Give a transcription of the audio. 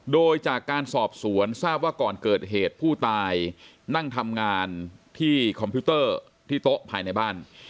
โดยจากการสอบสวนทราบว่าก่อนเกิดเหตุผู้ตายนั่งทำงานที่คอมพิวเตอร์ที่โต๊ะภายในบ้าน